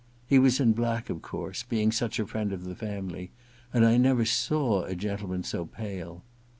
He was in black, of course, being such a friend of the family, and I never saw a gentleman so pale.